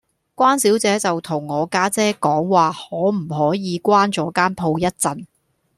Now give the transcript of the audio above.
關小姐就同我家姐講話可唔可以關左間鋪一陣